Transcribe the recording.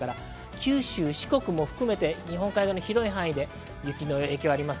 九州、四国も含めて日本海側、広い範囲で雪の影響、あります。